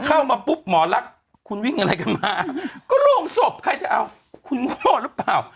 เข้ามาปุ๊บหมอลักษณ์คุณวิ่งอะไรกันมาก็โรงศพใครจะเอาคุณพ่อหรือเปล่า